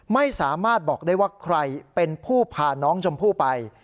ไม่สามารถบอกได้ว่าใครเป็นผู้พาน้องชมพู่ไป